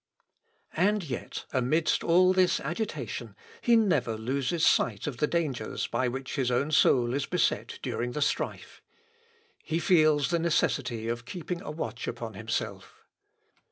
" And yet, amidst all this agitation, he never loses sight of the dangers by which his own soul is beset during the strife. He feels the necessity of keeping a watch upon himself.